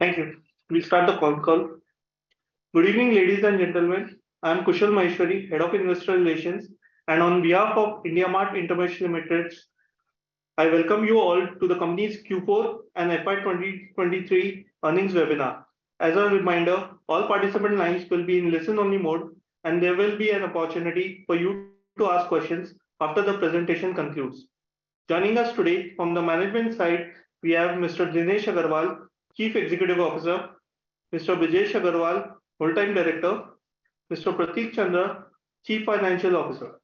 Thank you. We start the call. Good evening, ladies and gentlemen. I'm Kushal Maheshwari, Head of Investor Relations. On behalf of IndiaMART InterMESH Limited, I welcome you all to the company's Q4 and FY 2023 earnings webinar. As a reminder, all participant lines will be in listen-only mode, and there will be an opportunity for you to ask questions after the presentation concludes. Joining us today from the management side, we have Mr. Dinesh Agarwal, Chief Executive Officer, Mr. Brijesh Agrawal, Whole-Time Director, Mr. Prateek Chandra, Chief Financial Officer.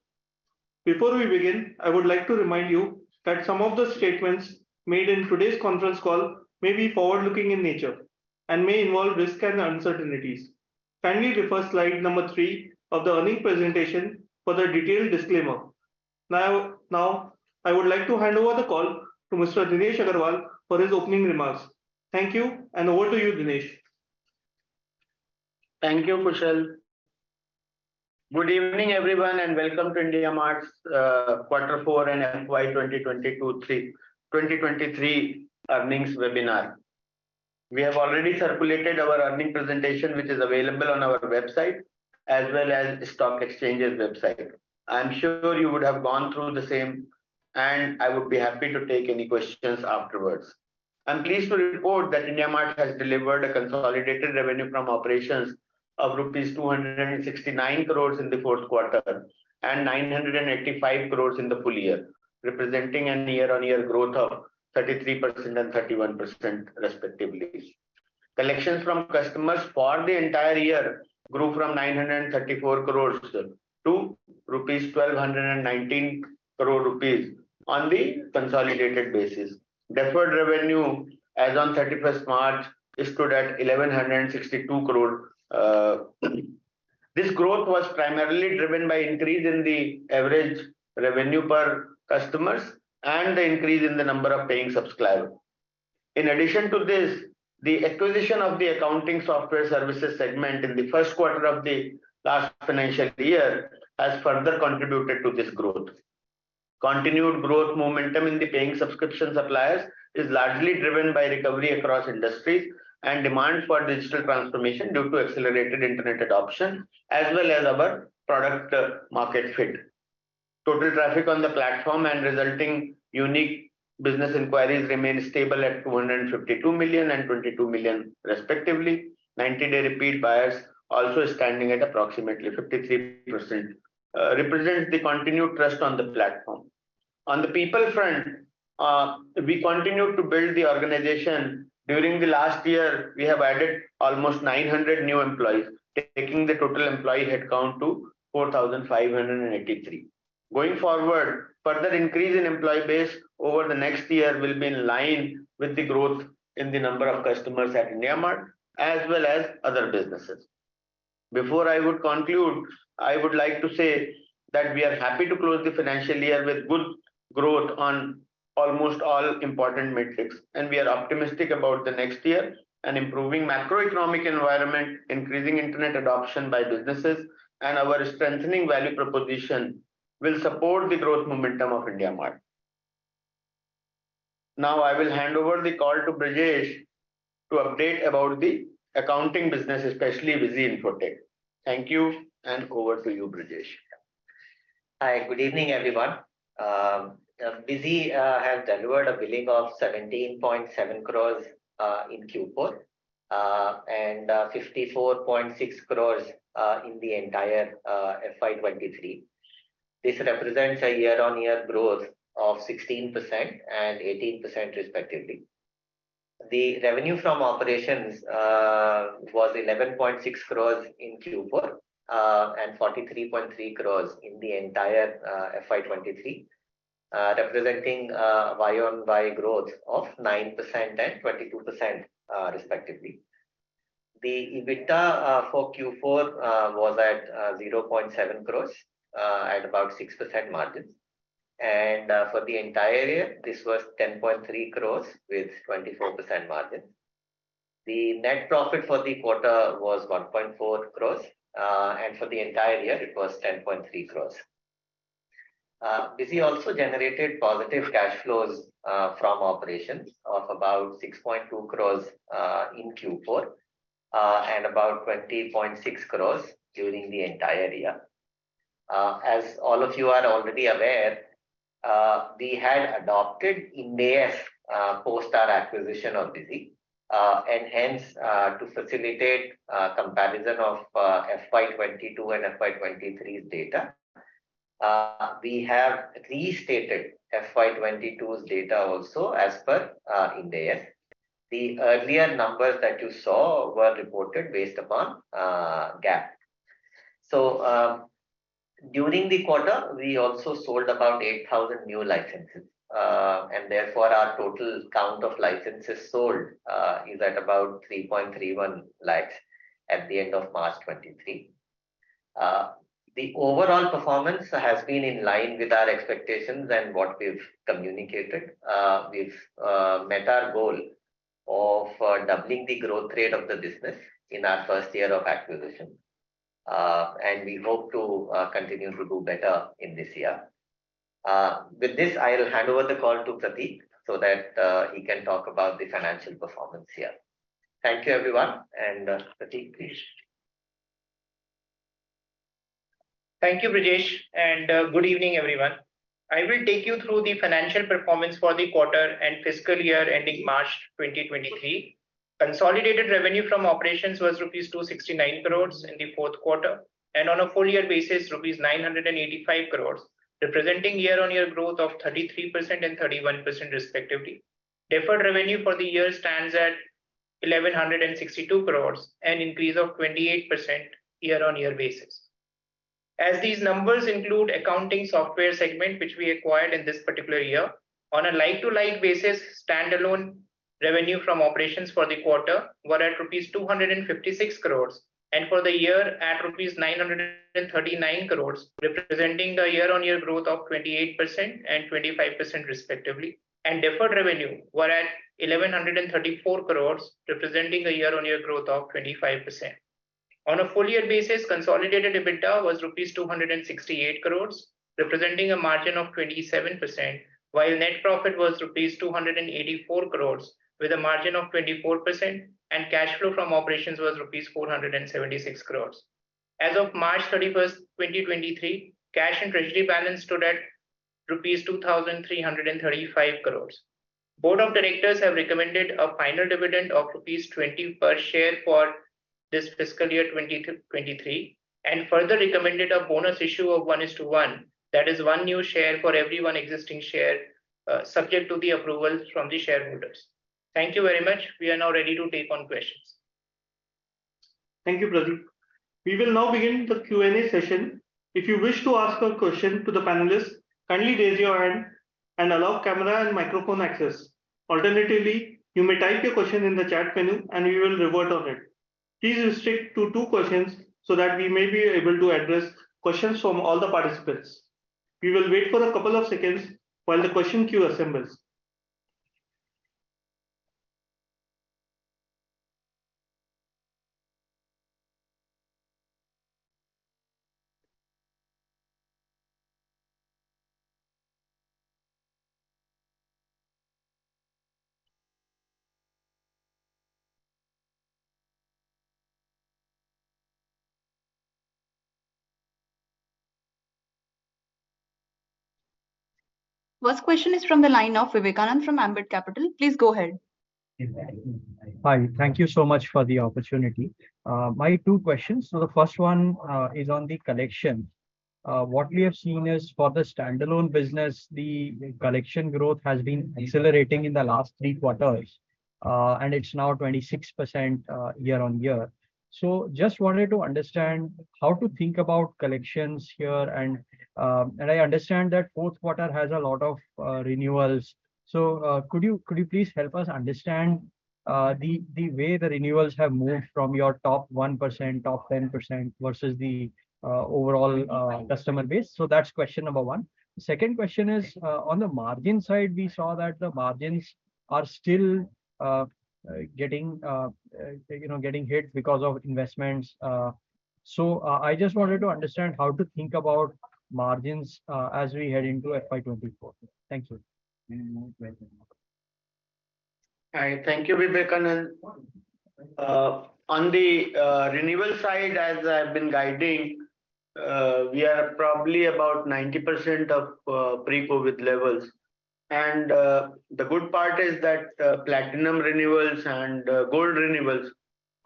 Before we begin, I would like to remind you that some of the statements made in today's conference call may be forward-looking in nature and may involve risks and uncertainties. Kindly refer slide number three of the earning presentation for the detailed disclaimer. Now, I would like to hand over the call to Mr. Dinesh Agarwal for his opening remarks. Thank you, over to you, Dinesh. Thank you, Kushal. Good evening, everyone, and welcome to IndiaMART's quarter four and FY 2022-2023 earnings webinar. We have already circulated our earning presentation, which is available on our website as well as stock exchanges website. I'm sure you would have gone through the same, and I would be happy to take any questions afterwards. I'm pleased to report that IndiaMART has delivered a consolidated revenue from operations of rupees 269 crore in the fourth quarter and 985 crore in the full year, representing a year-on-year growth of 33% and 31% respectively. Collections from customers for the entire year grew from 934 crore to 1,219 crore rupees on the consolidated basis. Deferred revenue as on March 31st stood at 1,162 crore. This growth was primarily driven by increase in the average revenue per customers and the increase in the number of paying suppliers. In addition to this, the acquisition of the accounting software services segment in the first quarter of the last financial year has further contributed to this growth. Continued growth momentum in the paying subscription suppliers is largely driven by recovery across industries and demand for digital transformation due to accelerated internet adoption, as well as our product market fit. Total traffic on the platform and resulting unique business inquiries remain stable at 252 million and 22 million respectively. Ninety-day repeat buyers also standing at approximately 53%, represents the continued trust on the platform. On the people front, we continue to build the organization. During the last year, we have added almost 900 new employees, taking the total employee headcount to 4,583. Going forward, further increase in employee base over the next year will be in line with the growth in the number of customers at IndiaMART, as well as other businesses. Before I would conclude, I would like to say that we are happy to close the financial year with good growth on almost all important metrics, and we are optimistic about the next year. Improving macroeconomic environment, increasing internet adoption by businesses, and our strengthening value proposition will support the growth momentum of IndiaMART. Now, I will hand over the call to Brijesh to update about the accounting business, especially Busy Infotech. Thank you, and over to you, Brijesh. Hi, good evening, everyone. BUSY has delivered a billing of 17.7 crores in Q4 and 54.6 crores in the entire FY 2023. This represents a year-on-year growth of 16% and 18% respectively. The revenue from operations was 11.6 crores in Q4 and 43.3 crores in the entire FY 2023, representing a year-on-year growth of 9% and 22% respectively. The EBITDA for Q4 was at 0.7 crores at about 6% margins. For the entire year, this was 10.3 crores with 24% margin. The net profit for the quarter was 1.4 crores and for the entire year it was 10.3 crores. BUSY also generated positive cash flows from operations of about 6.2 crore in Q4 and about 20.6 crore during the entire year. As all of you are already aware, we had adopted Ind AS post our acquisition of BUSY. Hence, to facilitate comparison of FY22 and FY23's data, we have restated FY22's data also as per Ind AS. The earlier numbers that you saw were reported based upon GAAP. During the quarter, we also sold about 8,000 new licenses, and therefore our total count of licenses sold is at about 3.31 lakh at the end of March 2023. The overall performance has been in line with our expectations and what we've communicated. We've met our goal of doubling the growth rate of the business in our first year of acquisition. We hope to continue to do better in this year. With this I'll hand over the call to Prateek, so that he can talk about the financial performance here. Thank you, everyone. Prateek, please. Thank you, Brijesh, and good evening, everyone. I will take you through the financial performance for the quarter and fiscal year ending March 2023. Consolidated revenue from operations was rupees 269 crores in the fourth quarter. On a full-year basis, rupees 985 crores, representing year-on-year growth of 33% and 31% respectively. Deferred revenue for the year stands at 1,162 crores, an increase of 28% year-on-year basis. These numbers include accounting software segment, which we acquired in this particular year, on a like-to-like basis, standalone revenue from operations for the quarter were at rupees 256 crores, and for the year at rupees 939 crores, representing the year-on-year growth of 28% and 25% respectively. Deferred revenue were at 1,134 crores, representing a year-on-year growth of 25%. On a full year basis, consolidated EBITDA was rupees 268 crores, representing a margin of 27%, while net profit was rupees 284 crores with a margin of 24%, and cash flow from operations was rupees 476 crores. As of March 31st, 2023, cash and treasury balance stood at rupees 2,335 crores. Board of directors have recommended a final dividend of rupees 20 per share for this fiscal year 2023, and further recommended a bonus issue of 1 is to 1, that is one new share for every one existing share, subject to the approval from the shareholders. Thank you very much. We are now ready to take on questions. Thank you, Prateek. We will now begin the Q&A session. If you wish to ask a question to the panelist, kindly raise your hand and allow camera and microphone access. Alternatively, you may type your question in the chat panel and we will revert on it. Please restrict to two questions so that we may be able to address questions from all the participants. We will wait for a couple of seconds while the question queue assembles. First question is from the line of Vivek Anand from Ambit Capital. Please go ahead. Hi. Thank you so much for the opportunity. My two questions. The first one is on the collection. What we have seen is for the standalone business, the collection growth has been accelerating in the last three quarters, and it's now 26% year-on-year. Just wanted to understand how to think about collections here, and I understand that fourth quarter has a lot of renewals. Could you please help us understand the way the renewals have moved from your top 1%, top 10% versus the overall customer base? That's question number one. Second question is on the margin side, we saw that the margins are still getting, you know, getting hit because of investments. I just wanted to understand how to think about margins as we head into FY 2024. Thank you. All right. Thank you, Vivek Anand. On the renewal side, as I've been guiding, we are probably about 90% of pre-COVID levels. The good part is that platinum renewals and gold renewals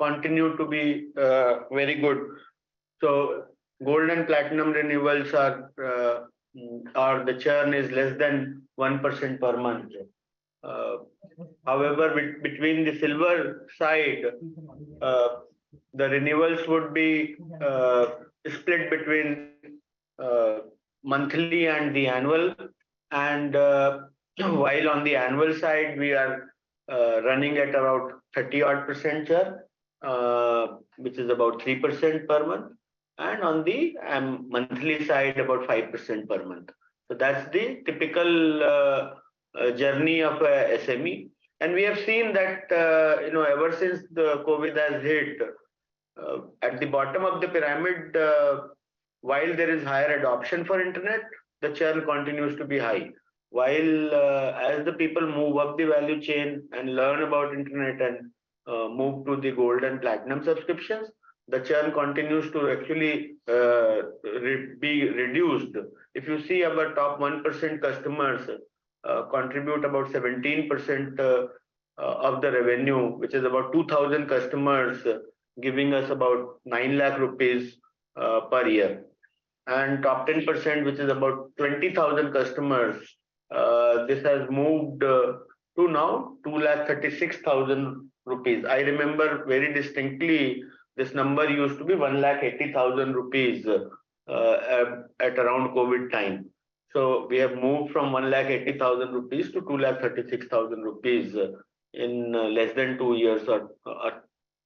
continue to be very good. Gold and platinum renewals are... the churn is less than 1% per month. However, between the silver side, the renewals would be split between monthly and the annual. While on the annual side, we are running at around 30 odd % churn, which is about 3% per month, and on the monthly side, about 5% per month. That's the typical journey of a SME. We have seen that ever since the COVID has hit at the bottom of the pyramid, while there is higher adoption for internet, the churn continues to be high. As the people move up the value chain and learn about internet and move to the gold and platinum subscriptions, the churn continues to actually be reduced. If you see our top 1% customers contribute about 17% of the revenue, which is about 2,000 customers giving us about 9 lakh rupees per year. Top 10%, which is about 20,000 customers, this has moved to now 2 lakh rupees 36 thousand. I remember very distinctly this number used to be 1 lakh rupees 80 thousand at around COVID time. We have moved from 1.80 lakh rupees to 2.36 lakh rupees in less than 2 years or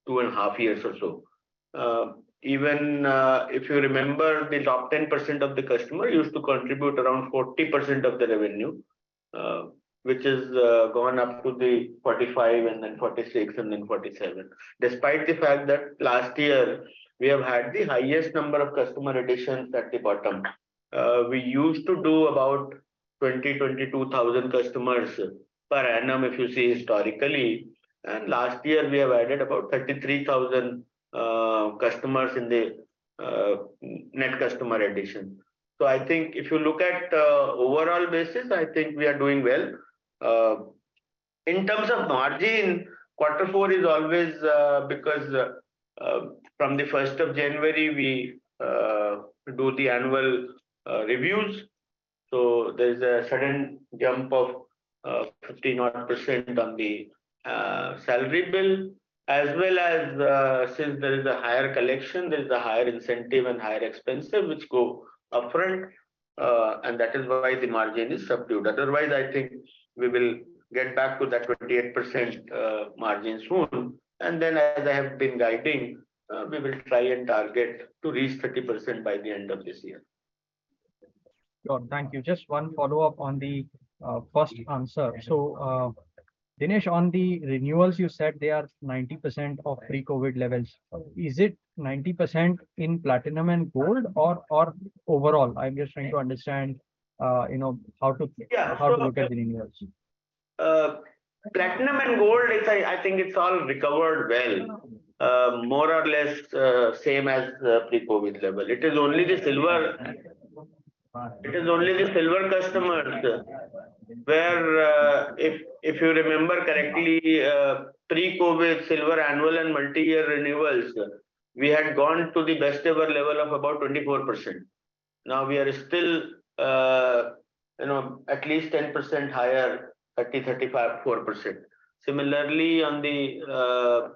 two and a half years or so. Even, if you remember, the top 10% of the customer used to contribute around 40% of the revenue, which is gone up to the 45%, and then 46%, and then 47%. Despite the fact that last year we have had the highest number of customer additions at the bottom. We used to do about 20,000-22,000 customers per annum, if you see historically. Last year we have added about 33,000 customers in the net customer addition. I think if you look at overall basis, I think we are doing well. rgin, quarter Q4 is always because from the first of January we do the annual reviews. So there's a sudden jump of 15% odd on the salary bill, as well as since there is a higher collection, there's a higher incentive and higher expenses which go upfront, and that is why the margin is subdued. Otherwise, I think we will get back to that 28% margin soon. Then as I have been guiding, we will try and target to reach 30% by the end of this year. Sure. Thank you. Just one follow-up on the first answer. Dinesh, on the renewals, you said they are 90% of pre-COVID levels. Is it 90% in platinum and gold or overall? I'm just trying to understand, you know. Yeah. How to look at renewals? Platinum and gold is, I think it's all recovered well. More or less, same as pre-COVID level. It is only the silver customers where, if you remember correctly, pre-COVID silver annual and multi-year renewals, we had gone to the best ever level of about 24%. Now we are still, you know, at least 10% higher, 30%, 35%, 4%. Similarly, on the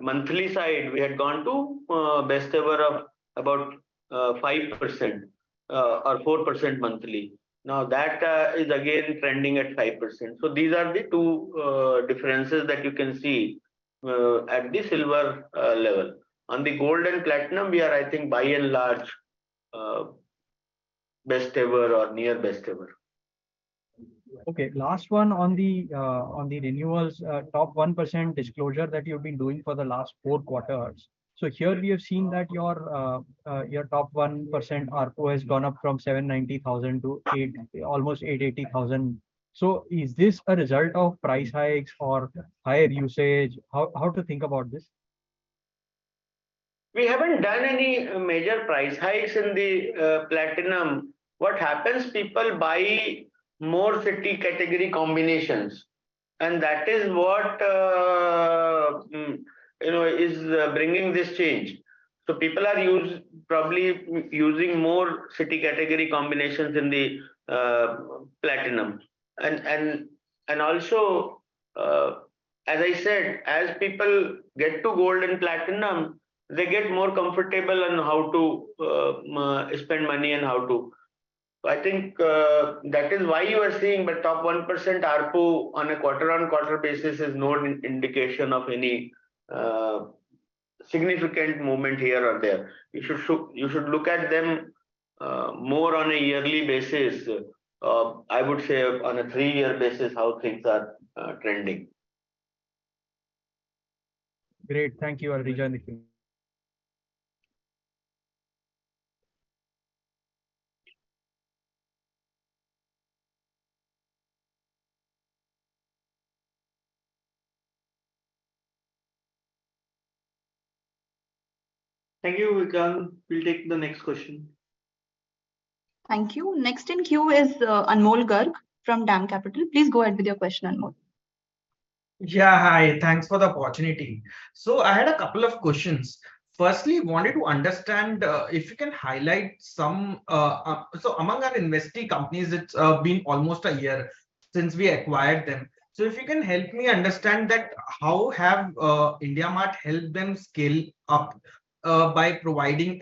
monthly side, we had gone to best ever of about 5% or 4% monthly. Now that is again trending at 5%. These are the two differences that you can see at the silver level. On the gold and platinum, we are, I think by and large, best ever or near best ever. Okay. Last one on the on the renewals, top 1% disclosure that you've been doing for the last four quarters. Here we have seen that your top 1% ARPU has gone up from 790,000 to almost 880,000. Is this a result of price hikes or higher usage? How to think about this? We haven't done any major price hikes in the Platinum. What happens, people buy more city category combinations, and that is what, you know, is bringing this change. People are probably using more city category combinations in the Platinum. Also, as I said, as people get to Gold and Platinum, they get more comfortable on how to spend money and how to. I think that is why you are seeing the top 1% ARPU on a quarter-on-quarter basis is no indication of any significant movement here or there. You should look at them more on a yearly basis. I would say on a 3-year basis, how things are trending. Great. Thank you. I'll rejoin the queue. Thank you, Vishal. We'll take the next question. Thank you. Next in queue is Anmol Garg from DAM Capital. Please go ahead with your question, Anmol. Yeah, hi. Thanks for the opportunity. I had a couple of questions. Firstly, wanted to understand if you can highlight some. Among our investee companies, it's been almost a year since we acquired them. If you can help me understand that how have IndiaMART helped them scale up by providing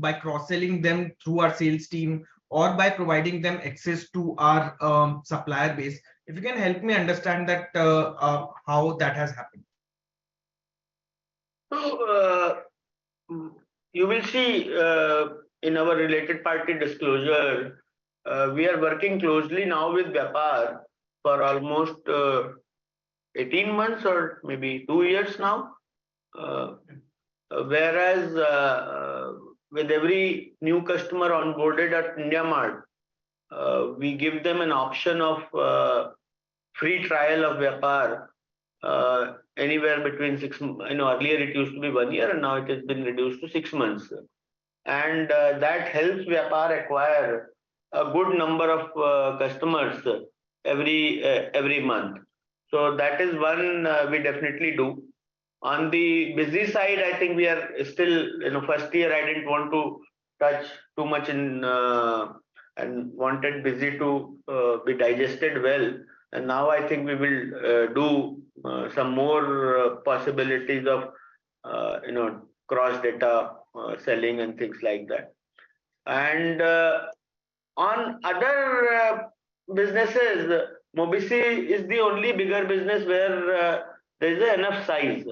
by cross-selling them through our sales team or by providing them access to our supplier base? If you can help me understand that how that has happened. You will see in our related party disclosure, we are working closely now with Vyapar for almost 18 months or maybe two years now. Whereas, with every new customer onboarded at IndiaMART, we give them an option of free trial of Vyapar, anywhere between you know, earlier it used to be 1 year, and now it has been reduced to six months. That helps Vyapar acquire a good number of customers every every month. That is one we definitely do. On the Bizom side, I think we are still. You know, first year I didn't want to touch too much and wanted Bizom to be digested well. Now I think we will do some more possibilities of, you know, cross-data selling and things like that. On other businesses, MobiKwik is the only bigger business where there's enough size.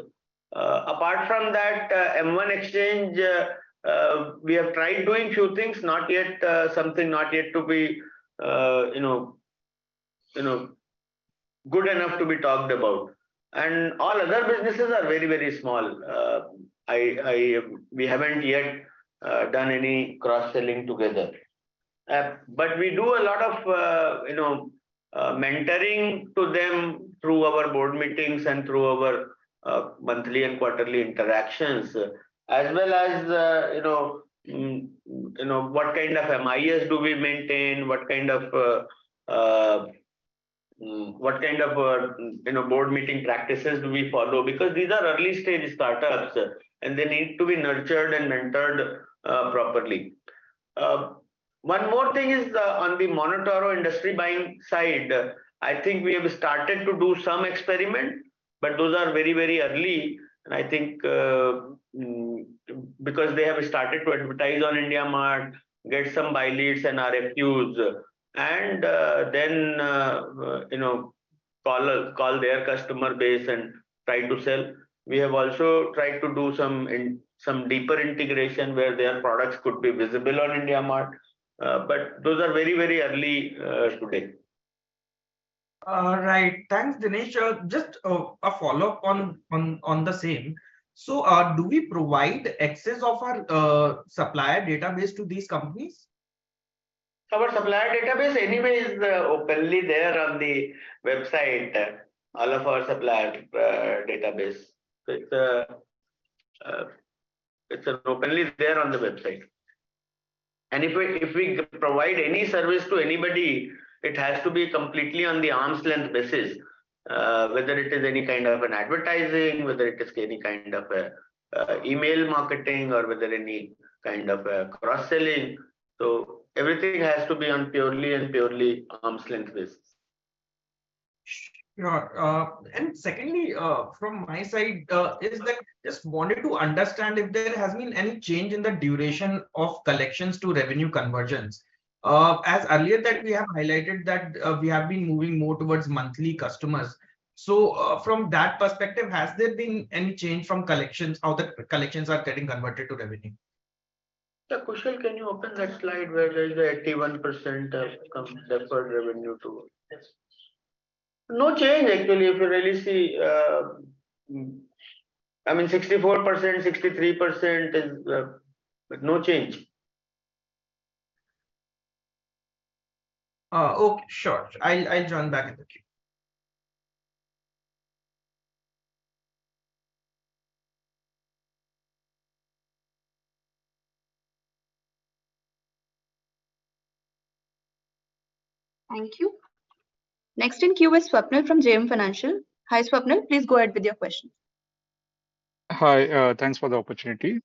Apart from that, M1xchange, We have tried doing few things, not yet something not yet to be, you know, good enough to be talked about. All other businesses are very small. We haven't yet done any cross-selling together. But we do a lot of, you know, mentoring to them through our board meetings and through our monthly and quarterly interactions, as well as, you know, what kind of MIS do we maintain, what kind of, you know, board meeting practices do we follow. These are early-stage startups, and they need to be nurtured and mentored, properly. One more thing is the, on the MonotaRO industry buying side, I think we have started to do some experiment, but those are very, very early, and I think, because they have started to advertise on IndiaMART, get some buy leads and RFQs, and, then, you know, call their customer base and try to sell. We have also tried to do some deeper integration where their products could be visible on IndiaMART. Those are very, very early, today. All right. Thanks, Dinesh. Just a follow-up on the same. Do we provide access of our supplier database to these companies? Our supplier database anyway is openly there on the website. All of our supplier database, it's openly there on the website. If we provide any service to anybody, it has to be completely on the arm's length basis. Whether it is any kind of an advertising, whether it is any kind of a email marketing or whether any kind of a cross-selling. Everything has to be on purely and purely arm's length basis. Sure. Secondly, from my side, is that just wanted to understand if there has been any change in the duration of collections to revenue convergence. As earlier that we have highlighted that we have been moving more towards monthly customers. From that perspective, has there been any change from collections, how the collections are getting converted to revenue? Yeah. Kushal, can you open that slide where there is 81% have come deferred revenue to... Yes. No change actually if you really see. I mean 64%, 63% is, no change. Okay, sure. I'll join back in the queue. Thank you. Next in queue is Swapnil from JM Financial. Hi, Swapnil. Please go ahead with your question. Hi. Thanks for the opportunity.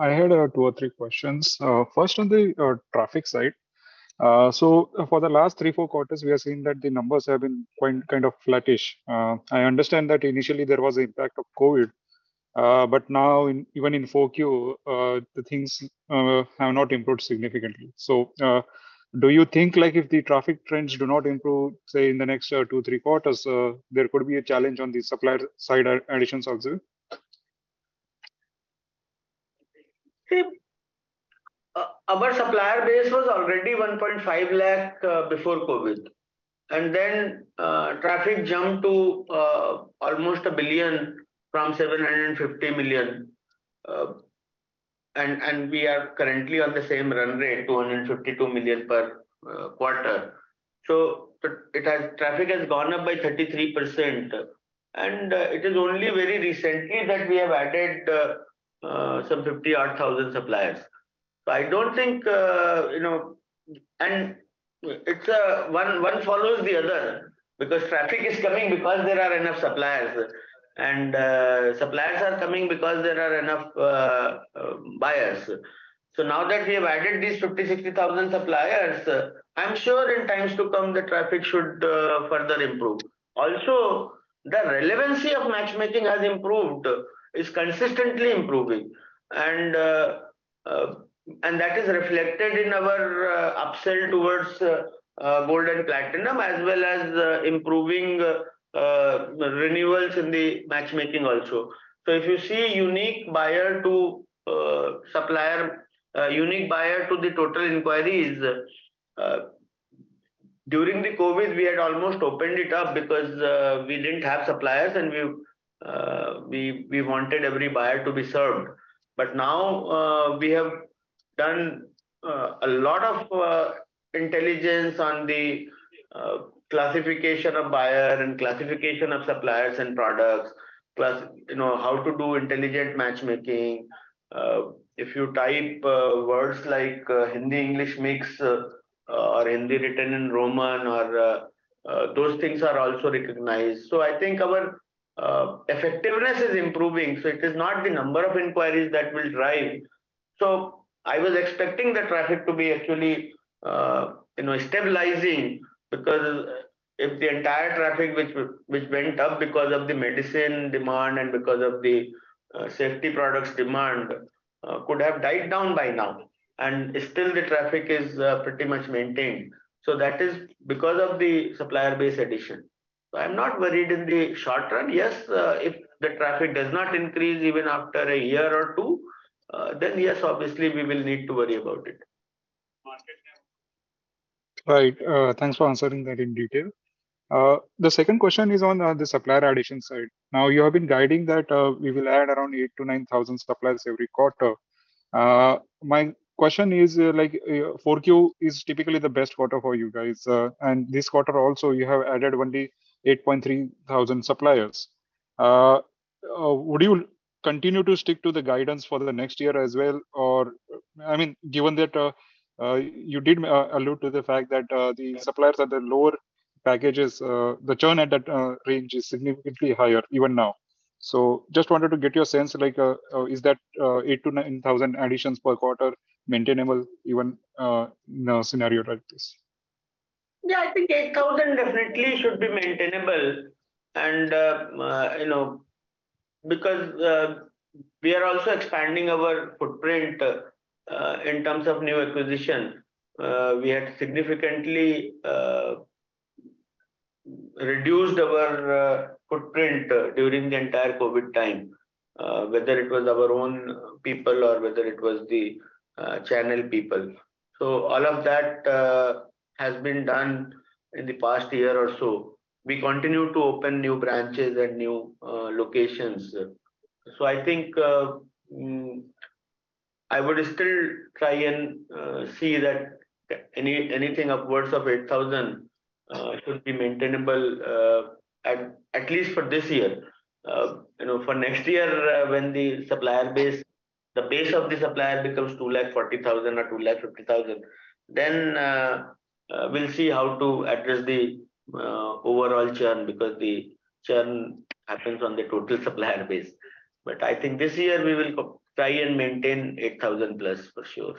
I had two or three questions. First on the traffic side. For the last three, four quarters, we have seen that the numbers have been quite kind of flattish. I understand that initially there was the impact of COVID, but now in, even in four Q, the things have not improved significantly. Do you think like if the traffic trends do not improve, say, in the next two, three quarters, there could be a challenge on the supplier side additions also? See, our supplier base was already 1.5 lakh before COVID. Then traffic jumped to almost 1 billion from 750 million. We are currently on the same run rate, 252 million per quarter. Traffic has gone up by 33%, and it is only very recently that we have added some 50-odd thousand suppliers. I don't think, you know. It's one follows the other, because traffic is coming because there are enough suppliers, and suppliers are coming because there are enough buyers. Now that we have added these 50, 60 thousand suppliers, I'm sure in times to come, the traffic should further improve. Also, the relevancy of matchmaking has improved. It's consistently improving. That is reflected in our upsell towards gold and platinum, as well as improving renewals in the matchmaking also. If you see unique buyer to supplier, unique buyer to the total inquiry is. During the COVID, we had almost opened it up because we didn't have suppliers, and we wanted every buyer to be served. Now, we have done a lot of intelligence on the classification of buyer and classification of suppliers and products. You know, how to do intelligent matchmaking. If you type words like Hindi-English mix, or Hindi written in Roman or those things are also recognized. I think our effectiveness is improving, so it is not the number of inquiries that will drive. I was expecting the traffic to be actually, you know, stabilizing, because if the entire traffic which went up because of the medicine demand and because of the safety products demand, could have died down by now, and still the traffic is pretty much maintained. That is because of the supplier base addition. I'm not worried in the short run. Yes, if the traffic does not increase even after a year or two, then yes, obviously we will need to worry about it. Right. Thanks for answering that in detail. The second question is on the supplier addition side. Now, you have been guiding that we will add around 8,000-9,000 suppliers every quarter. My question is, like, 4Q is typically the best quarter for you guys, and this quarter also you have added only 8.3 thousand suppliers. Would you continue to stick to the guidance for the next year as well or, I mean, given that you did allude to the fact that the suppliers at the lower packages, the churn at that range is significantly higher even now, just wanted to get your sense, like, is that 8,000-9,000 additions per quarter maintainable even in a scenario like this? Yeah, I think 8,000 definitely should be maintainable and, you know, because we are also expanding our footprint in terms of new acquisition. We had significantly reduced our footprint during the entire COVID time, whether it was our own people or whether it was the channel people. All of that has been done in the past year or so. We continue to open new branches and new locations. I think I would still try and see that anything upwards of 8,000 should be maintainable at least for this year. you know, for next year when the supplier base, the base of the supplier becomes 240,000 or 250,000, we'll see how to address the overall churn because the churn happens on the total supplier base. I think this year we will try and maintain 8,000+ for sure.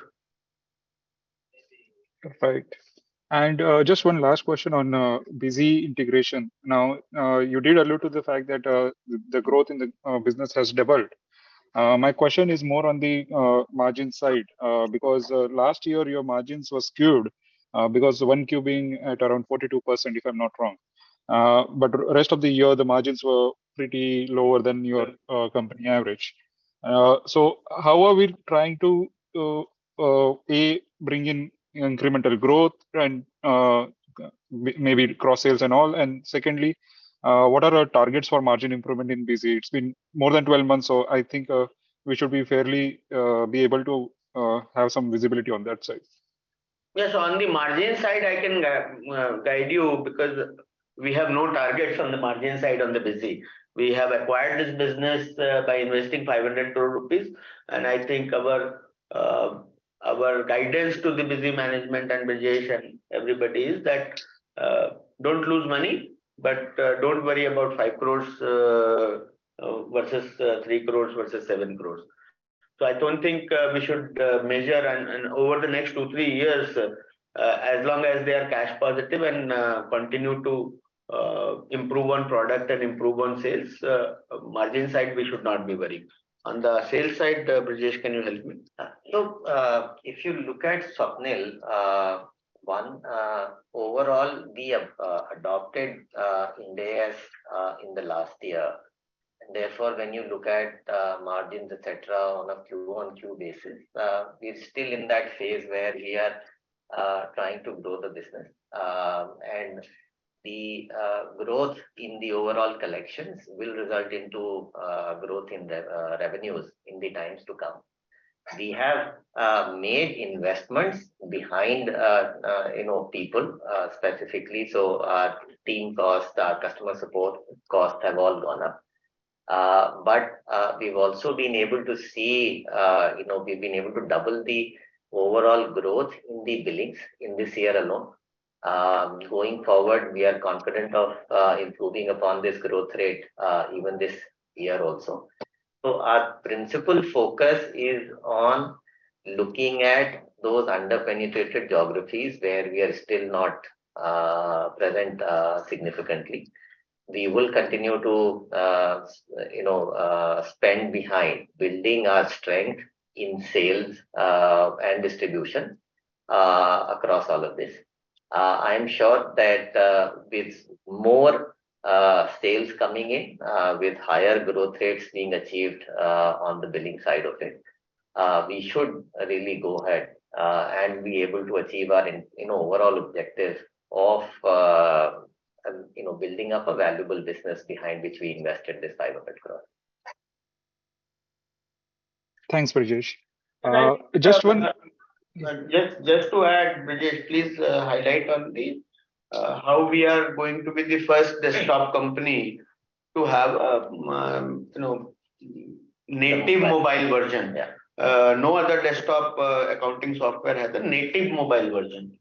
Right. Just one last question on BUSY integration. Now, you did allude to the fact that the growth in the business has doubled. My question is more on the margin side, because last year your margins were skewed, because 1Q being at around 42%, if I'm not wrong. Rest of the year, the margins were pretty lower than your company average. How are we trying to, A, bring in incremental growth and maybe cross sales and all? Secondly, what are our targets for margin improvement in BUSY? It's been more than 12 months, so I think, we should be fairly be able to have some visibility on that side. Yes. On the margin side, I can guide you because we have no targets on the margin side on the BUSY. We have acquired this business by investing 500 crore rupees, I think our guidance to the BUSY management and Brijesh and everybody is that don't lose money, don't worry about 5 crore versus 3 crore versus 7 crore. I don't think we should measure. Over the next two, three years, as long as they are cash positive and continue to improve on product and improve on sales, margin side we should not be worrying. On the sales side, Brijesh, can you help me? Look, if you look at Swapnil, one, overall, we adopted Ind AS in the last year. When you look at margins, et cetera, on a Q-on-Q basis, we're still in that phase where we are trying to grow the business. The growth in the overall collections will result into growth in the revenues in the times to come. We have made investments behind, you know, people specifically. Team costs, our customer support costs have all gone up. We've also been able to see, you know, we've been able to double the overall growth in the billings in this year alone. We are confident of improving upon this growth rate even this year also. Our principal focus is on looking at those under-penetrated geographies where we are still not present significantly. We will continue to, you know, spend behind building our strength in sales and distribution across all of this. I am sure that, with more sales coming in, with higher growth rates being achieved on the billing side of it, we should really go ahead and be able to achieve our, you know, overall objective of, you know, building up a valuable business behind which we invested this 500 crores. Thanks, Brijesh. Just to add, Brijesh, please highlight on the how we are going to be the first desktop company to have, you know, native mobile version. Yeah. No other desktop accounting software has a native mobile version.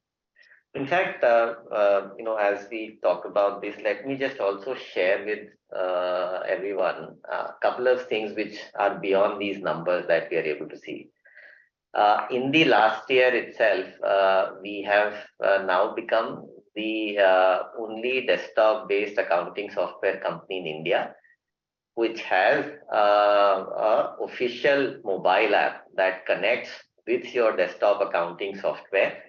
In fact, you know, as we talk about this, let me just also share with everyone, couple of things which are beyond these numbers that we are able to see. In the last year itself, we have now become the only desktop-based accounting software company in India. Which has a official mobile app that connects with your desktop accounting software.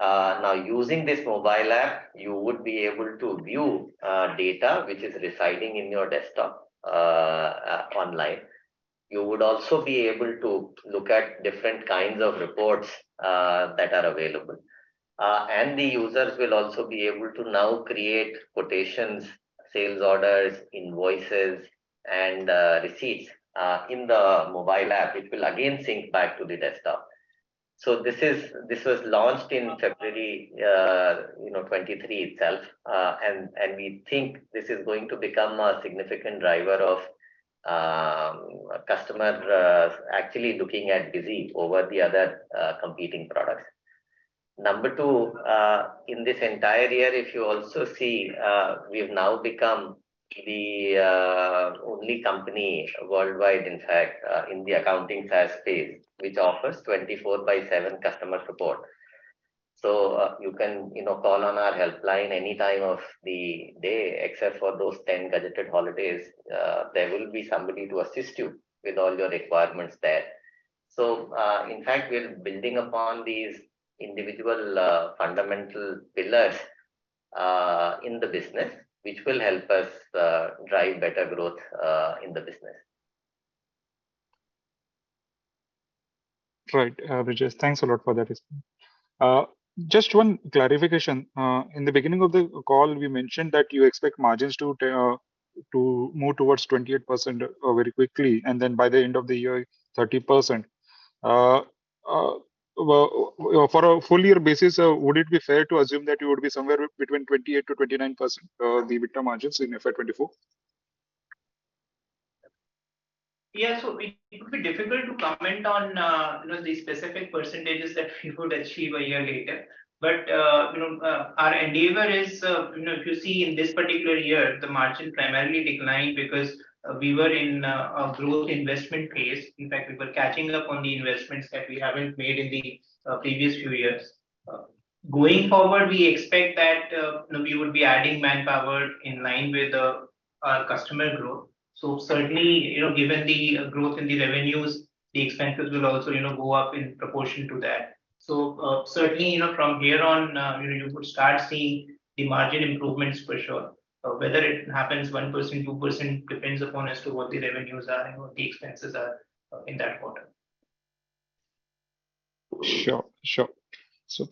Now using this mobile app, you would be able to view data which is residing in your desktop online. You would also be able to look at different kinds of reports that are available. The users will also be able to now create quotations, sales orders, invoices, and receipts in the mobile app, which will again sync back to the desktop. This was launched in February, you know, 23 itself. We think this is going to become a significant driver of customer actually looking at BUSY over the other competing products. Number two, in this entire year, if you also see, we've now become the only company worldwide, in fact, in the accounting SaaS space, which offers 24 by 7 customer support. You can, you know, call on our helpline any time of the day, except for those 10 gazetted holidays, there will be somebody to assist you with all your requirements there. In fact, we are building upon these individual, fundamental pillars, in the business, which will help us, drive better growth, in the business. Right. Brijesh, thanks a lot for that response. Just one clarification. In the beginning of the call, we mentioned that you expect margins to move towards 28%, very quickly, and then by the end of the year, 30%. Well, for a full year basis, would it be fair to assume that you would be somewhere between 28%-29%, the EBITDA margins in FY 2024? Yeah. It would be difficult to comment on, you know, the specific percentages that we would achieve a year later. Our endeavor is, you know, if you see in this particular year, the margin primarily declined because we were in a growth investment phase. In fact, we were catching up on the investments that we haven't made in the previous few years. Going forward, we expect that, you know, we would be adding manpower in line with our customer growth. Certainly, you know, given the growth in the revenues, the expenses will also, you know, go up in proportion to that. Certainly, you know, from here on, you know, you could start seeing the margin improvements for sure. Whether it happens 1%, 2%, depends upon as to what the revenues are and what the expenses are in that quarter. Sure, sure.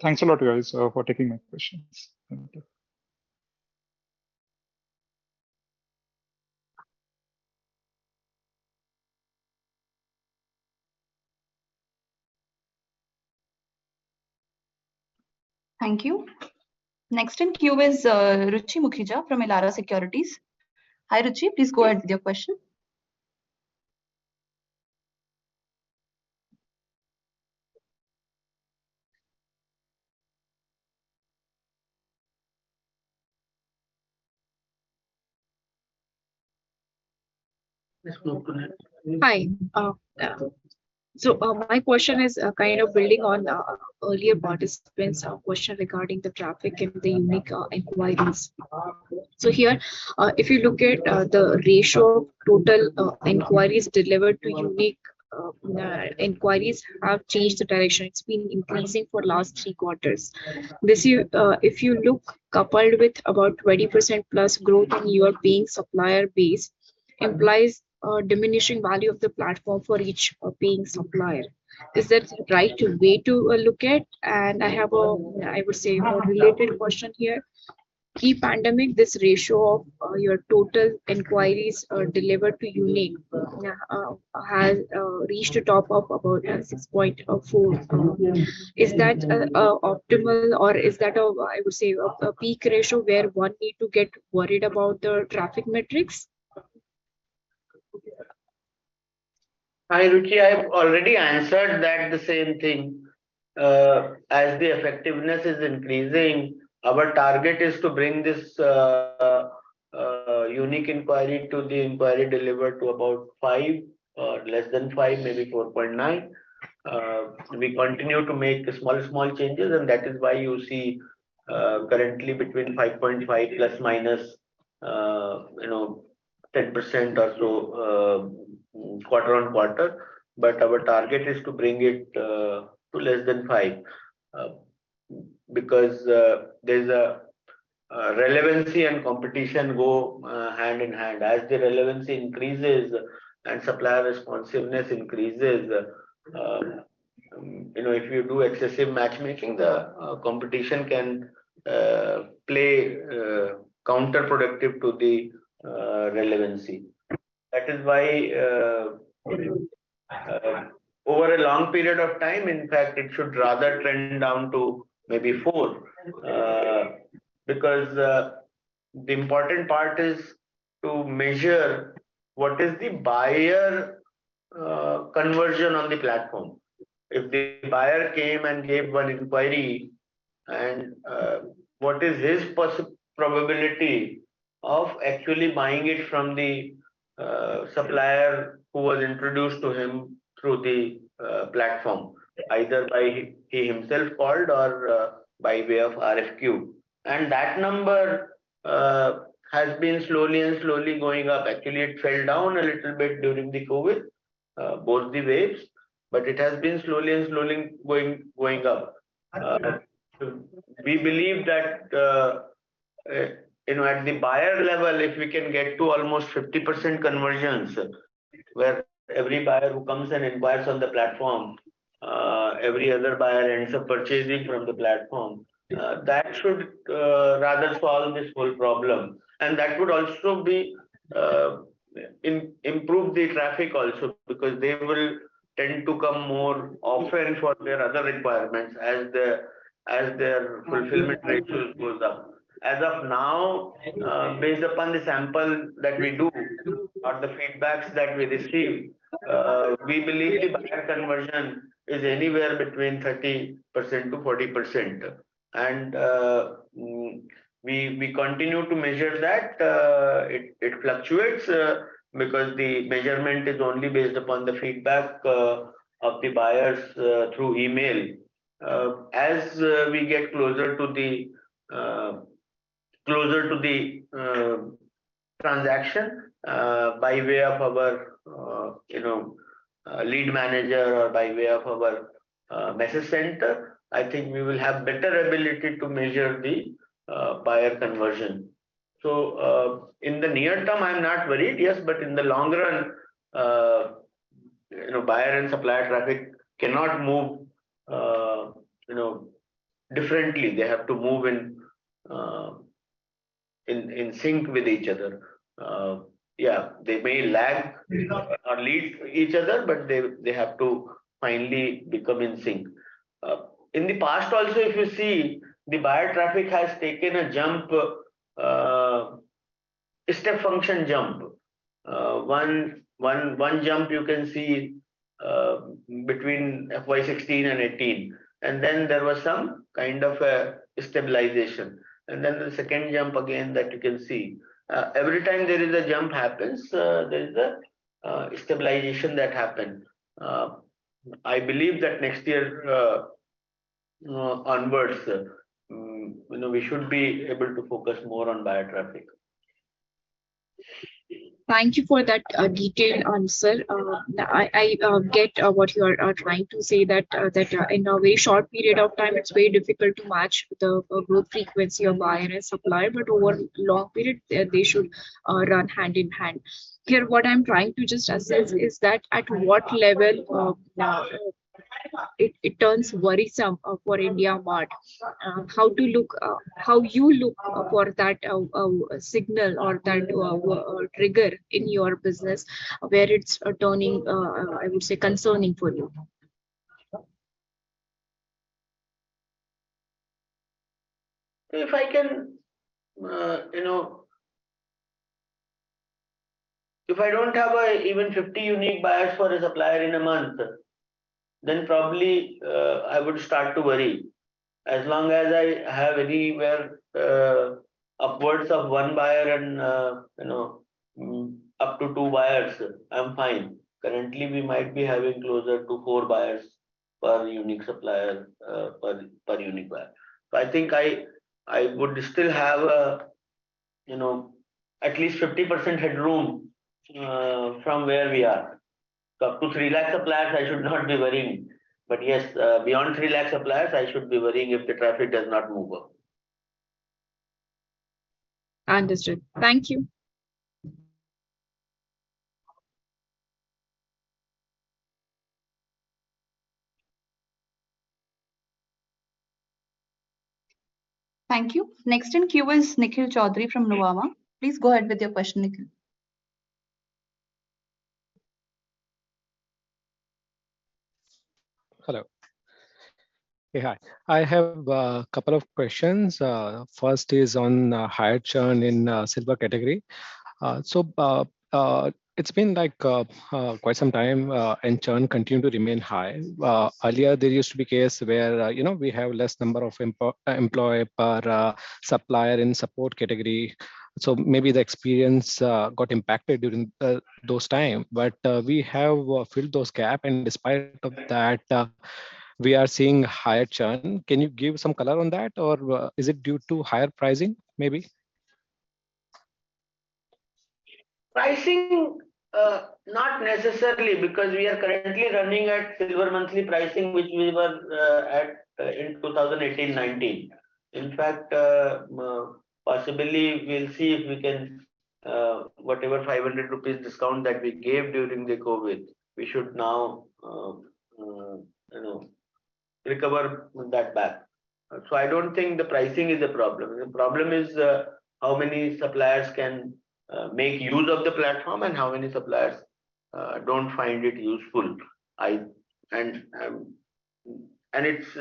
Thanks a lot, guys, for taking my questions. Thank you. Thank you. Next in queue is Ruchi Mukhija from Elara Securities. Hi, Ruchi. Please go ahead with your question. Yes, go ahead. Hi. My question is kind of building on earlier participant's question regarding the traffic and the unique inquiries. Here, if you look at the ratio total inquiries delivered to unique inquiries have changed the direction. It's been increasing for last three quarters. This year, if you look coupled with about 20% plus growth in your paying supplier base implies a diminishing value of the platform for each paying supplier. Is that the right way to look at? I have a, I would say, a related question here. Pre-pandemic, this ratio of your total inquiries delivered to unique has reached a top of about 6.4. Is that optimal or is that a, I would say, a peak ratio where one need to get worried about the traffic metrics? Hi, Ruchi. I've already answered that the same thing. As the effectiveness is increasing, our target is to bring this unique inquiry to the inquiry delivered to about 5, less than 5, maybe 4.9. We continue to make small changes, and that is why you see currently between 5.5 ± 10% or so, quarter-on-quarter. Our target is to bring it to less than 5. Because there's a relevancy and competition go hand in hand. As the relevancy increases and supplier responsiveness increases, you know, if you do excessive matchmaking, the competition can play counterproductive to the relevancy. That is why, over a long period of time, in fact, it should rather trend down to maybe four. Because the important part is to measure what is the buyer conversion on the platform. If the buyer came and gave one inquiry and what is his probability of actually buying it from the supplier who was introduced to him through the platform, either by he himself called or by way of RFQ. That number has been slowly and slowly going up. Actually, it fell down a little bit during the COVID both the waves, but it has been slowly and slowly going up. I see. We believe that, you know, at the buyer level, if we can get to almost 50% conversions, where every buyer who comes and inquires on the platform, every other buyer ends up purchasing from the platform. Yeah. That should, rather solve this whole problem. That would also be, improve the traffic also, because they will tend to come more often for their other requirements as their. Mm-hmm. fulfillment ratio goes up. As of now- Mm-hmm. Based upon the sample that we do or the feedbacks that we receive, we believe the buyer conversion is anywhere between 30%-40%. We continue to measure that. It fluctuates because the measurement is only based upon the feedback of the buyers through email. As we get closer to the closer to the transaction, by way of our, you know, lead manager or by way of our message center, I think we will have better ability to measure the buyer conversion. In the near term, I'm not worried, yes. In the long run, you know, buyer and supplier traffic cannot move, you know, differently. They have to move in sync with each other. Yeah, they may lag. Mm-hmm. -or lead each other, but they have to finally become in sync. In the past also, if you see, the buyer traffic has taken a jump, a step function jump. one jump you can see, between FY16 and 18, then there was some kind of a stabilization. Then the second jump again that you can see. Every time there is a jump happens, there is a stabilization that happen. I believe that next year onwards, you know, we should be able to focus more on buyer traffic. Thank you for that detailed answer. I get what you are trying to say that in a very short period of time, it's very difficult to match the growth frequency of buyer and supplier, but over long period, they should run hand in hand. Here, what I'm trying to just assess is that at what level of it turns worrisome for IndiaMART? How to look, how you look for that signal or that trigger in your business where it's turning, I would say concerning for you? If I don't have even 50 unique buyers for a supplier in a month, then probably, I would start to worry. As long as I have anywhere upwards of one buyer and, you know, up to two buyers, I'm fine. Currently, we might be having closer to four buyers per unique supplier, per unique buyer. I think I would still have a, you know, at least 50% headroom from where we are. Up to 3 lakh suppliers I should not be worrying. Yes, beyond 3 lakh suppliers, I should be worrying if the traffic does not move up. Understood. Thank you. Mm-hmm. Thank you. Next in queue is Nikhil Choudhary from Nuvama. Please go ahead with your question, Nikhil. Hello. Yeah, hi. I have a couple of questions. First is on higher churn in silver category. It's been like quite some time, and churn continue to remain high. Earlier there used to be case where, you know, we have less number of employee per supplier in support category, so maybe the experience got impacted during those time. We have filled those gap and despite of that, we are seeing higher churn. Can you give some color on that? Is it due to higher pricing maybe? Pricing, not necessarily, because we are currently running at silver monthly pricing, which we were at in 2018, 2019. In fact, possibly we'll see if we can whatever 500 rupees discount that we gave during the COVID, we should now, you know, recover that back. I don't think the pricing is a problem. The problem is how many suppliers can make use of the platform and how many suppliers don't find it useful. It's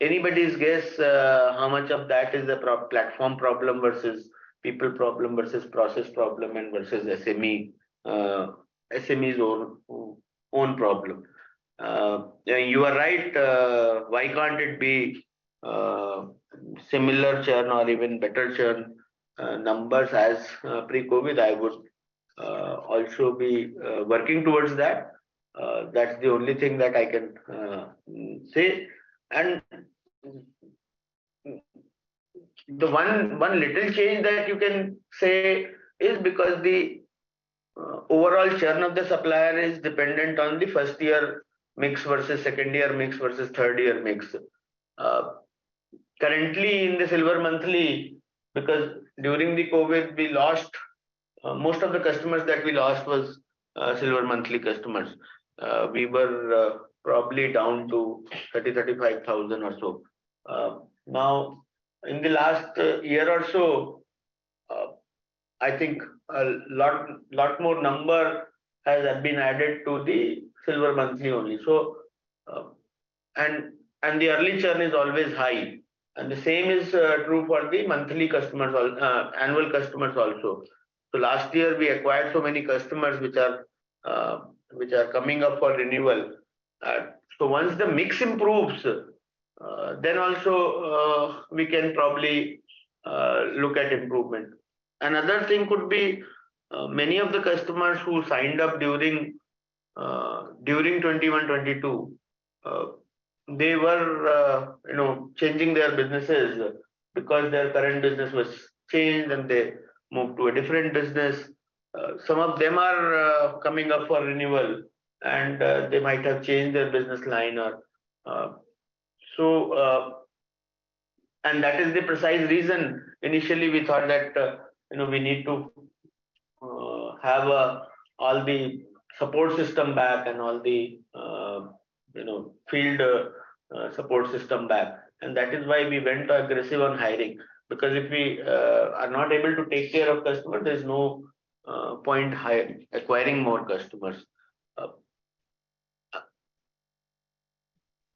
anybody's guess how much of that is a platform problem versus people problem versus process problem and versus SME's own problem. You are right, why can't it be similar churn or even better churn numbers as pre-COVID? I would also be working towards that. That's the only thing that I can say. The one little change that you can say is because the overall churn of the supplier is dependent on the first year mix versus second year mix versus third year mix. Currently in the silver monthly, because during the COVID we lost most of the customers that we lost was silver monthly customers. We were probably down to 30,000-35,000 or so. Now, in the last year or so, I think a lot more number has been added to the silver monthly only. The early churn is always high, and the same is true for the monthly customers annual customers also. Last year we acquired so many customers which are coming up for renewal. Once the mix improves, then also, we can probably, look at improvement. Another thing could be, many of the customers who signed up during 2021, 2022, they were, you know, changing their businesses because their current business was changed and they moved to a different business. Some of them are, coming up for renewal, and, they might have changed their business line or. And that is the precise reason initially we thought that, you know, we need to have all the support system back and all the, you know, field, support system back. That is why we went aggressive on hiring, because if we are not able to take care of customer, there's no point acquiring more customers.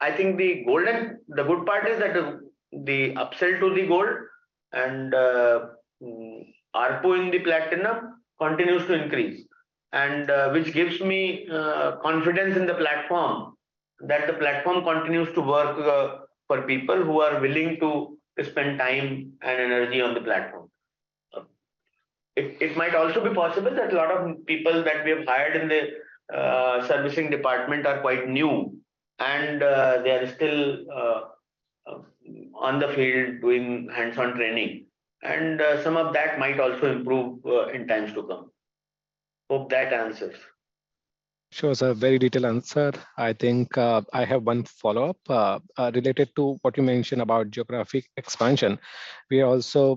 I think the good part is that the upsell to the gold and ARPU in the platinum continues to increase and which gives me confidence in the platform, that the platform continues to work for people who are willing to spend time and energy on the platform. It, it might also be possible that a lot of people that we have hired in the servicing department are quite new and they are still on the field doing hands-on training. Some of that might also improve in times to come. Hope that answers. Sure, sir. Very detailed answer. I think, I have one follow-up related to what you mentioned about geographic expansion. We also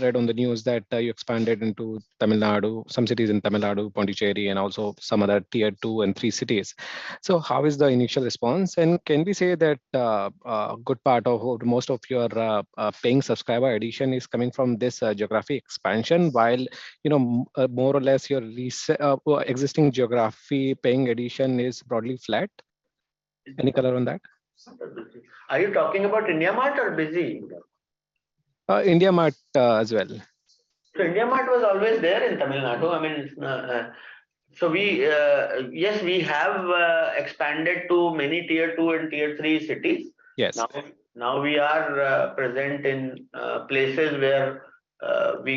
read on the news that you expanded into Tamil Nadu, some cities in Tamil Nadu, Pondicherry, and also some other tier two and three cities. How is the initial response? Can we say that good part of or most of your paying subscriber addition is coming from this geographic expansion while, you know, more or less your lease existing geography paying addition is broadly flat? Any color on that? Are you talking about IndiaMART or BUSY India? IndiaMART, as well. IndiaMART was always there in Tamil Nadu. I mean, so we, yes, we have expanded to many tier two and tier three cities. Yes. Now we are present in places where we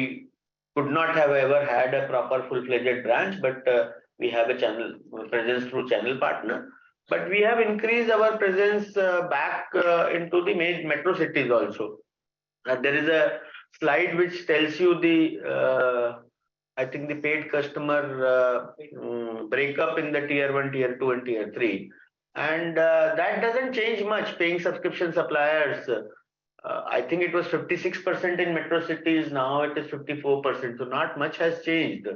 could not have ever had a proper full-fledged branch, but we have a channel presence through channel partner. We have increased our presence back into the main metro cities also. There is a slide which tells you the I think the paid customer breakup in the tier one, tier two, and tier three. That doesn't change much. Paying subscription suppliers, I think it was 56% in metro cities, now it is 54%. Not much has changed.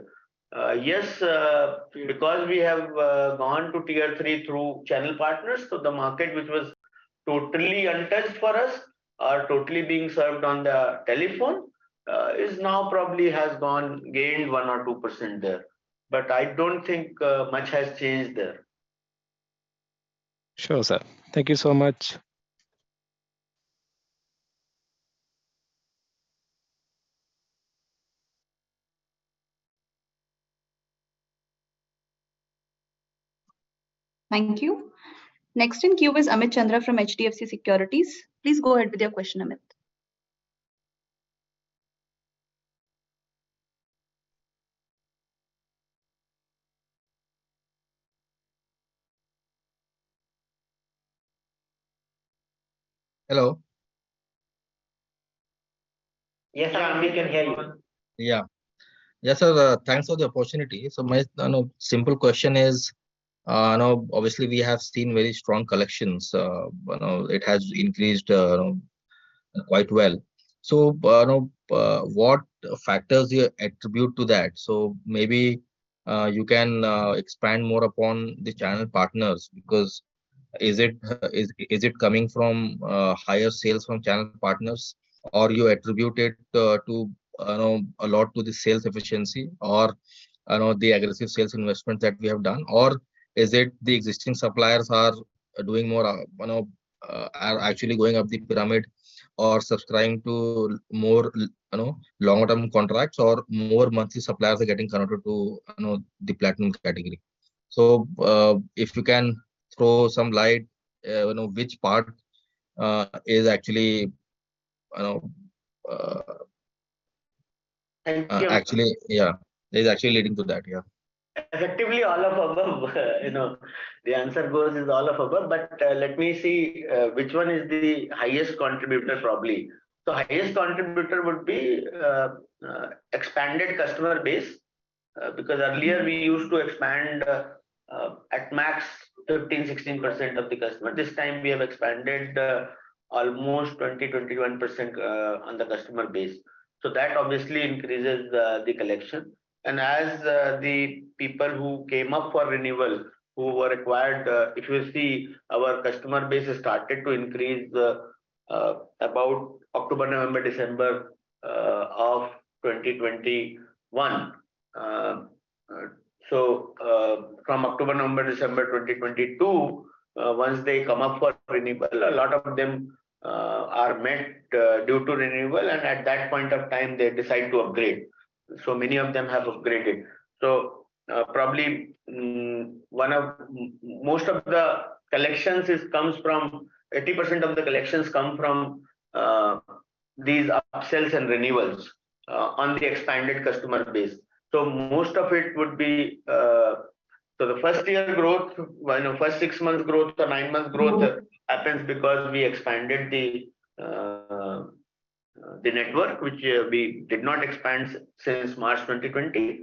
Because we have gone to tier three through channel partners, so the market which was totally untouched for us are totally being served on the telephone, is now probably has gone gained 1% or 2% there. I don't think much has changed there. Sure, sir. Thank you so much. Thank you. Next in queue is Amit Chandra from HDFC Securities. Please go ahead with your question, Amit. Hello? Yes, sir. We can hear you. Yeah. Yes, sir. Thanks for the opportunity. My simple question is, now, obviously we have seen very strong collections. You know, it has increased, you know, quite well. You know, what factors do you attribute to that? Maybe, you can expand more upon the channel partners, because is it, is it coming from higher sales from channel partners? You attribute it, to, you know, a lot to the sales efficiency or, you know, the aggressive sales investment that we have done? Is it the existing suppliers are doing more, you know, are actually going up the pyramid or subscribing to more, you know, long-term contracts or more monthly suppliers are getting converted to, you know, the platinum category? If you can throw some light, you know, which part, is actually, you know, Actually, yeah? It's actually leading to that, yeah. Effectively all of above, you know. The answer goes is all of above. Let me see, which one is the highest contributor probably. The highest contributor would be expanded customer base, because earlier we used to expand at max 13%, 16% of the customer. This time we have expanded almost 20%, 21% on the customer base. So that obviously increases the collection. As the people who came up for renewal who were acquired, if you see our customer base has started to increase about October, November, December of 2021. So from October, November, December 2022, once they come up for renewal, a lot of them are met due to renewal, and at that point of time they decide to upgrade. Many of them have upgraded. Probably, most of the collections comes from 80% of the collections come from these upsells and renewals on the expanded customer base. Most of it would be. The first year growth, when the first 6 months growth or 9 months growth happens because we expanded the network, which we did not expand since March 2020.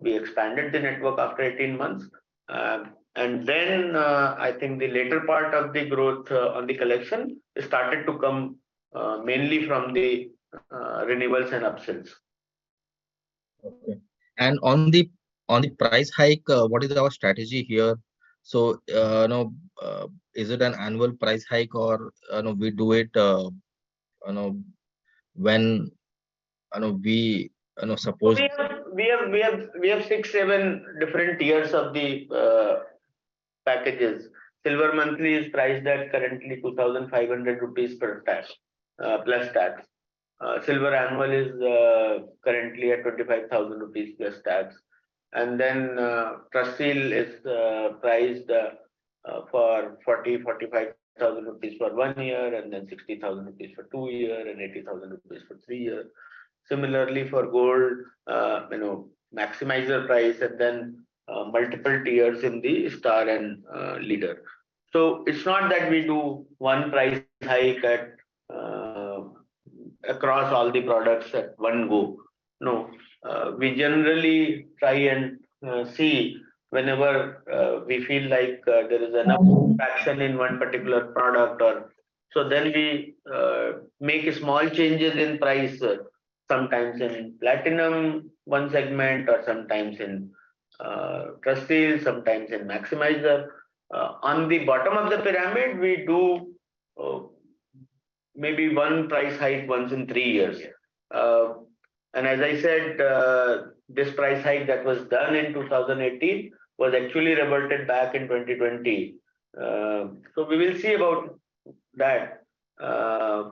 We expanded the network after 18 months. Then, I think the later part of the growth on the collection started to come mainly from the renewals and upsells. Okay. On the price hike, what is our strategy here? You know, is it an annual price hike or, you know, we do it, you know, when, you know, we, you know? We have six, seven different tiers of the packages. Silver monthly is priced at currently 2,500 rupees per pack plus tax. Silver annual is currently at 25,000 rupees plus tax. TrustSEAL is priced for 40,000-45,000 rupees for one year, and then 60,000 rupees for two years, and 80,000 rupees for three years. Similarly for gold, you know, Maximiser price and then multiple tiers in the star and leader. It's not that we do one price hike across all the products at one go, no. We generally try and see whenever we feel like there is enough traction in one particular product or... We make small changes in price, sometimes in platinum one segment or sometimes in TrustSEAL, sometimes in Maximiser. On the bottom of the pyramid, we do maybe one price hike once in three years. As I said, this price hike that was done in 2018 was actually reverted back in 2020. We will see about that.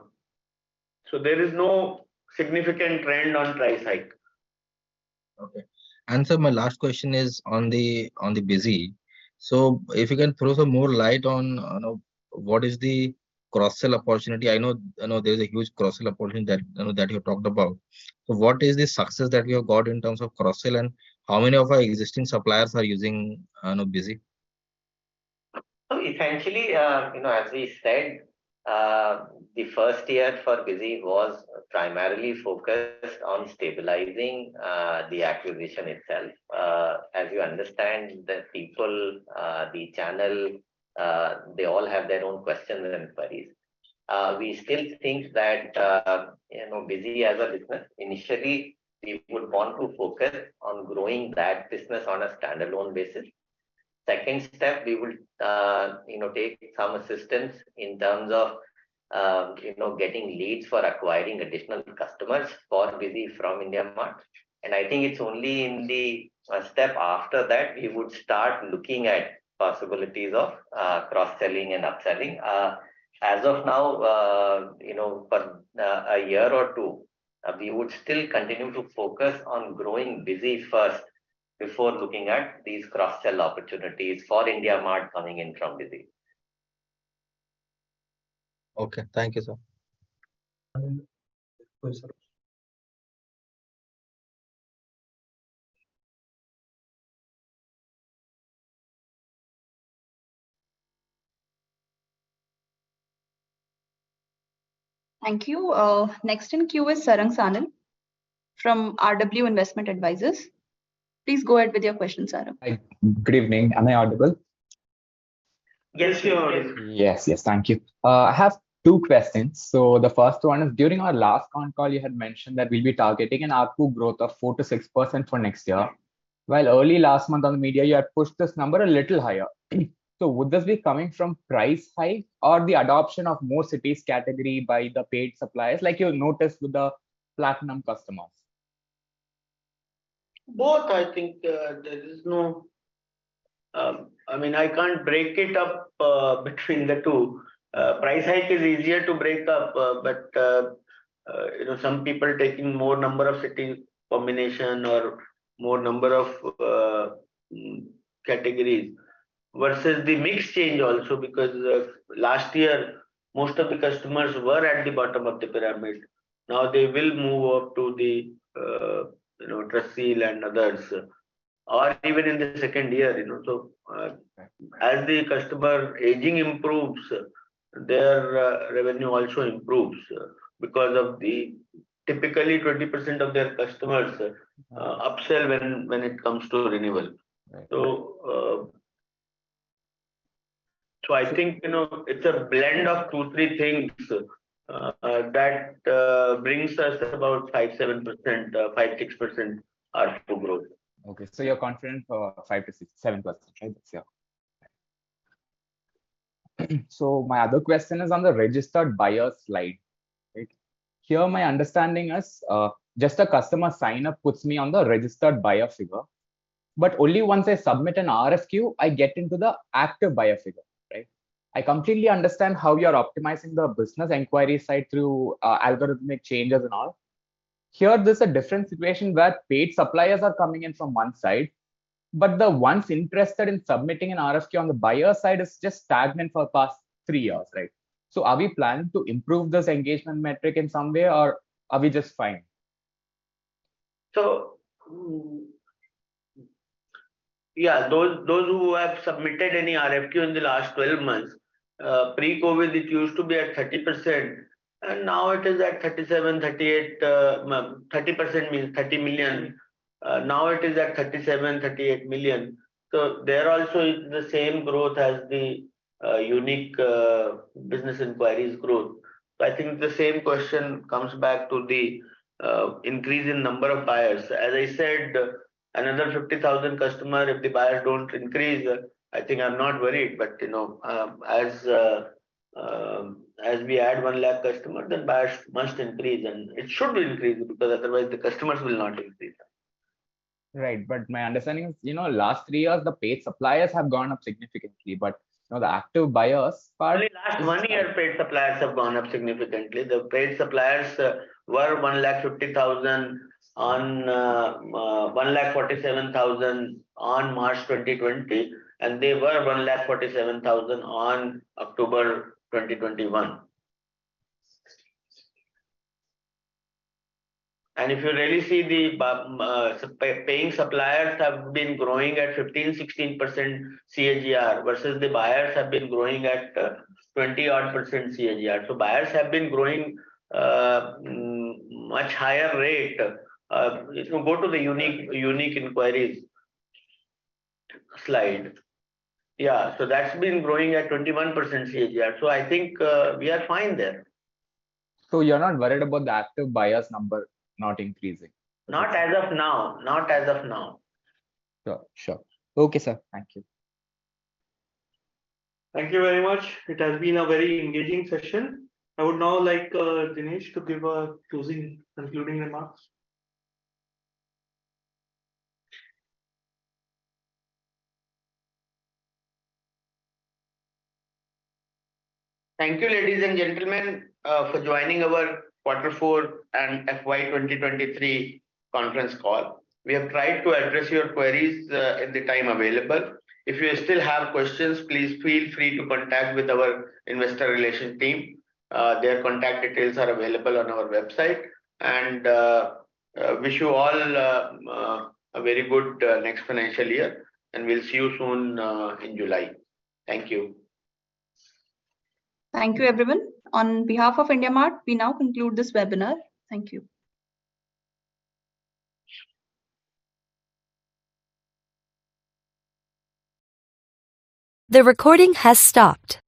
There is no significant trend on price hike. Okay. Sir, my last question is on the, on the BizE. If you can throw some more light on, you know, what is the cross-sell opportunity. I know there's a huge cross-sell opportunity that, you know, that you talked about. What is the success that we have got in terms of cross-sell, and how many of our existing suppliers are using, you know, BizE? Essentially, you know, as we said, the 1st year for BizE was primarily focused on stabilizing the acquisition itself. As you understand the people, the channel, they all have their own questions and queries. We still think that, you know, BizE as a business, initially we would want to focus on growing that business on a standalone basis. Second step, we would, you know, take some assistance in terms of, you know, getting leads for acquiring additional customers for BizE from IndiaMART. I think it's only in the step after that we would start looking at possibilities of cross-selling and upselling. As of now, you know, for a year or two, we would still continue to focus on growing BizE first before looking at these cross-sell opportunities for IndiaMART coming in from BizE. Okay. Thank you, sir. Thank you. Next in queue is Sarang Sanil from RW Investment Advisors. Please go ahead with your questions, Sarang. Hi. Good evening. Am I audible? Yes, you are. Yes. Yes. Thank you. I have two questions. The first one is, during our last phone call, you had mentioned that we'll be targeting an ARPU growth of 4%-6% for next year, while early last month on the media you had pushed this number a little higher. Would this be coming from price hike or the adoption of more cities category by the paid suppliers, like you have noticed with the platinum customers? Both, I think. There is no, I mean, I can't break it up between the two. Price hike is easier to break up, but, you know, some people taking more number of city combination or more number of categories. Versus the mix change also, because last year most of the customers were at the bottom of the pyramid. Now they will move up to the, you know, TrustSEAL and others, or even in the second year, you know. As the customer aging improves, their revenue also improves. Typically, 20% of their customers upsell when it comes to renewal. Right. I think, you know, it's a blend of two, three things, that brings us about 5%-7%, 5%-6% ARPU growth. Okay. You're confident for 5%-6%, 7%, right? Yeah. My other question is on the registered buyer slide. Right? Here my understanding is, just a customer sign-up puts me on the registered buyer figure. Only once I submit an RFQ, I get into the active buyer figure, right? I completely understand how you're optimizing the business inquiry side through algorithmic changes and all. Here there's a different situation where paid suppliers are coming in from one side, but the ones interested in submitting an RFQ on the buyer side is just stagnant for the past 3 years, right? Are we planning to improve this engagement metric in some way, or are we just fine? Yeah, those who have submitted any RFQ in the last 12 months, pre-COVID it used to be at 30%, and now it is at 37, 38, no, 30% means 30 million. Now it is at 37, 38 million. There also is the same growth as the unique business inquiries growth. I think the same question comes back to the increase in number of buyers. As I said, another 50,000 customer, if the buyers don't increase, I think I'm not worried. You know, as we add 1 lakh customer, then buyers must increase, and it should increase because otherwise the customers will not increase. Right. My understanding is, you know, last three years, the paid suppliers have gone up significantly. You know, the active buyers. Only last one year paid suppliers have gone up significantly. The paid suppliers were 1,50,000 on 1,47,000 on March 2020, and they were 1,47,000 on October 2021. If you really see the paying suppliers have been growing at 15%-16% CAGR, versus the buyers have been growing at 20% odd CAGR. Buyers have been growing much higher rate. If you go to the unique inquiries slide. Yeah. That's been growing at 21% CAGR. I think we are fine there. You're not worried about the active buyers number not increasing? Not as of now. Not as of now. Sure. Sure. Okay, sir. Thank you. Thank you very much. It has been a very engaging session. I would now like, Dinesh to give a closing concluding remarks. Thank you, ladies and gentlemen, for joining our quarter four and FY 2023 conference call. We have tried to address your queries in the time available. If you still have questions, please feel free to contact with our investor relation team. Their contact details are available on our website. Wish you all a very good next financial year, and we'll see you soon in July. Thank you. Thank you, everyone. On behalf of IndiaMART, we now conclude this webinar. Thank you. The recording has stopped.